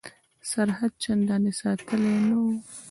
سرحد چنداني ساتلی نه وو.